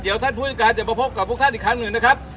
เดี๋ยวท่านผู้จัดการจะมาพบกับพวกท่านอีกครั้งหนึ่งนะครับ